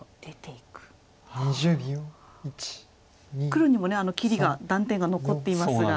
黒にも切りが断点が残っていますが。